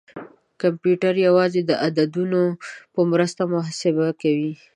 کمپیوټر یوازې د عددونو په مرسته محاسبه کوي.